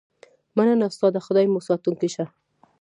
مننه استاده خدای مو ساتونکی شه